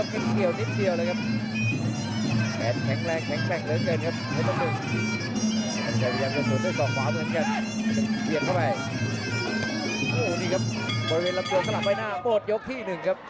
บนรำทางล่างไว้หน้าหมดยกที่๑ครับ